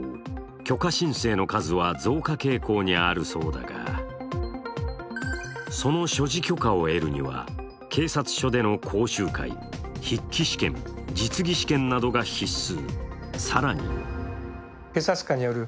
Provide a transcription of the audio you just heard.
許可申請の数は増加傾向にあるそうだが、その所持許可を得るには警察署での講習会、筆記試験、実技試験などが必須。